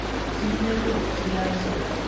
冷たい手をこすり合わせる。